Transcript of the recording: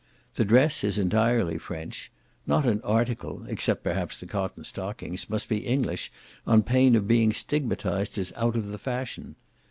The dress is entirely French; not an article (except perhaps the cotton stockings) must be English, on pain of being stigmatized as out of the fashion.